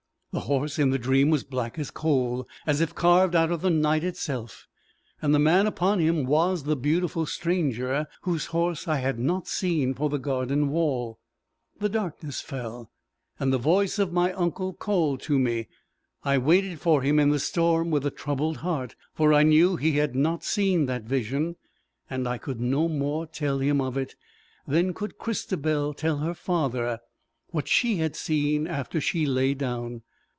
The horse in the dream was black as coal, as if carved out of the night itself; and the man upon him was the beautiful stranger whose horse I had not seen for the garden wall. The darkness fell, and the voice of my uncle called to me. I waited for him in the storm with a troubled heart, for I knew he had not seen that vision, and I could no more tell him of it, than could Christabel tell her father what she had seen after she lay down.